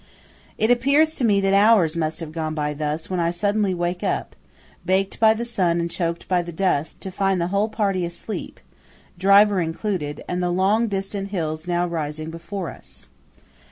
It appears to me that hours must have gone by thus when I suddenly wake up, baked by the sun and choked by the dust, to find the whole party asleep, driver included, and the long distant hills now rising close before us.